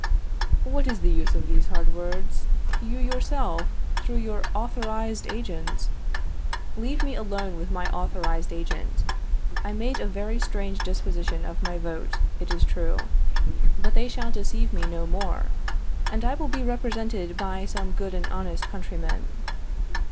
What is the use of these hard words? You yourself, through your authorized agent Leave me alone with my authorized agent. I made a very strange disposition of my vote, it is true. But they shall deceive me no more, and I will be represented by some good and honest countryman.